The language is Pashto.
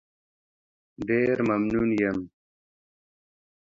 ډېر ممنون یم.